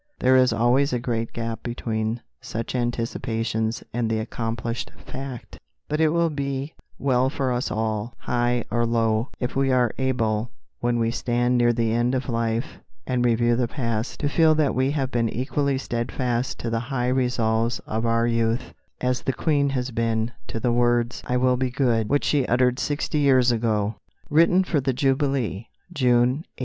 There is always a great gap between such anticipations and the accomplished fact; but it will be well for us all, high or low, if we are able, when we stand near the end of life and review the past, to feel that we have been equally steadfast to the high resolves of our youth, as the Queen has been to the words, "I will be good," which she uttered sixty years ago. Footnote 1: Written for the Jubilee, June 1887.